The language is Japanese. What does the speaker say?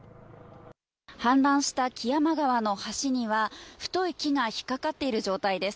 氾濫した木山川の橋には、太い木が引っ掛かっている状態です。